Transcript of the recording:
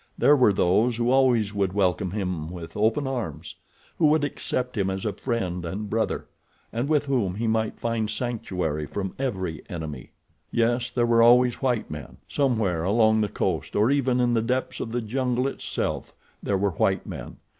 There were those who always would welcome him with open arms; who would accept him as a friend and brother, and with whom he might find sanctuary from every enemy. Yes, there were always white men. Somewhere along the coast or even in the depths of the jungle itself there were white men.